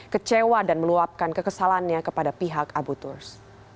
kecewa dan meluapkan kekesalannya kepada pihak abu turs